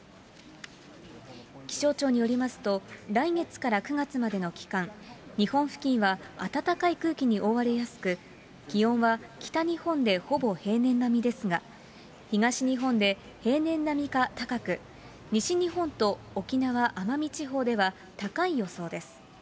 気象庁によりますと、来月から９月までの期間、日本付近は暖かい空気に覆われやすく、気温は北日本でほぼ平年並みですが、東日本で平年並みか高く、西日本と沖縄・奄美地方では高い予想です。